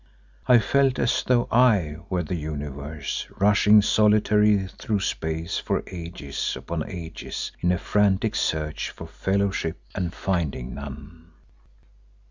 I felt as though I were the Universe rushing solitary through space for ages upon ages in a frantic search for fellowship, and finding none.